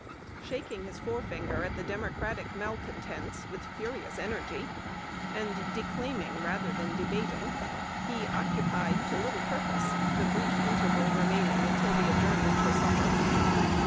Shaking his forefinger at the Democratic malcontents with furious energy, and declaiming rather than debating, he occupied to little purpose the brief interval remaining until the adjournment for supper.